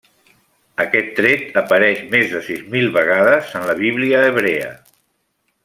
Aquest tret apareix més de sis mil vegades en la Bíblia hebrea.